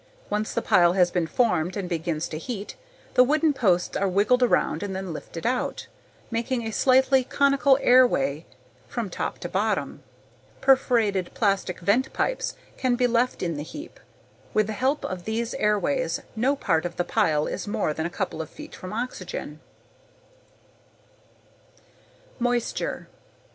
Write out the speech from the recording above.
Once the pile has been formed and begins to heat, the wooden posts are wiggled around and then lifted out, making a slightly conical airway from top to bottom. Perforated plastic vent pipes can be left in the heap. With the help of these airways, no part of the pile is more than a couple of feet from oxygen _Moisture.